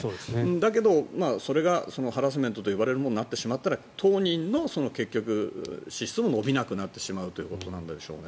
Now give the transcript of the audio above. だけど、それがハラスメントと呼ばれるものになってしまったら当人の資質も伸びなくなってしまうということなんでしょうね。